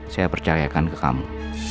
saya percayakan ke kamu